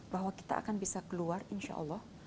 bahwa kita akan bisa keluar insya allah